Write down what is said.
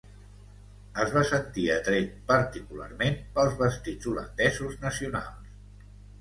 Es va sentir atret particularment pels vestits holandesos nacionals.